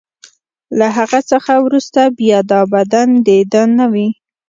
له هغه څخه وروسته بیا دا بدن د ده نه وي.